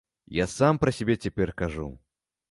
Я сам пра сябе цяпер кажу.